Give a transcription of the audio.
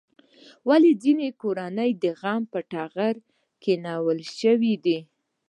ولې ځینې کورنۍ د غم په ټغر کېنول شوې دي؟